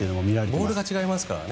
ボールが違いますからね。